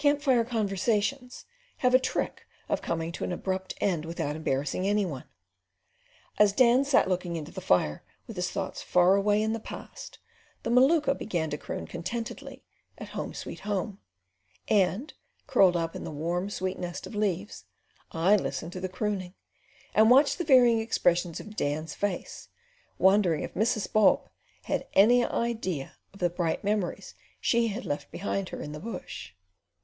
Camp fire conversations have a trick of coming to an abrupt end without embarrassing any one. As Dan sat looking into the fire, with his thoughts far away in the past, the Maluka began to croon contentedly at "Home, Sweet Home," and, curled up in the warm, sweet nest of leaves, I listened to the crooning, and, watching the varying expression of Dan's face, wondered if Mrs. Bob had any idea of the bright memories she had left behind her in the bush.